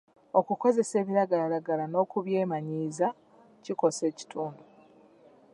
Okukozesa ebiragalalagala n'okubyemanyiiza kikosa ekitundu.